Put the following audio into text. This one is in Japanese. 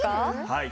はい。